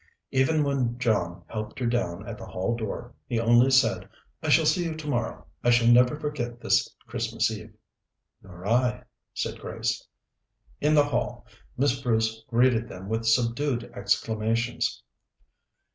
Even when John helped her down at the hall door he only said: "I shall see you tomorrow. I shall never forget this Christmas Eve." "Nor I," said Grace. In the hall Miss Bruce greeted them with subdued exclamations.